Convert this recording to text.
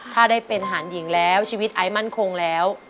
ถ้าได้เป็นทหารหญิงแล้วชีวิตไอซ์มั่นคงแล้ว